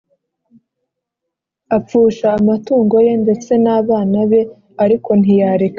apfusha amatungo ye ndetse nabana be ariko ntiyareka Imana.